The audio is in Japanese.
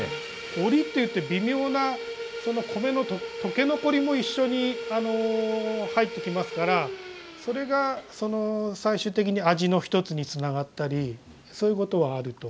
澱っていって微妙な米の溶け残りも一緒に入ってきますからそれが最終的に味の一つにつながったりそういうことはあると思います。